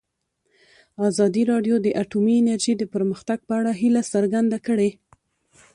ازادي راډیو د اټومي انرژي د پرمختګ په اړه هیله څرګنده کړې.